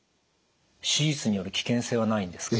手術による危険性はないんですか？